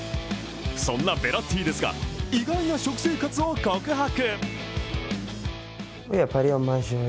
そんなヴェラッティですが意外な食生活を告白。